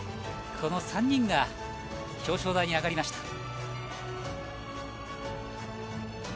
この３人が表彰台に上がりました。